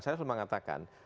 saya sudah mengatakan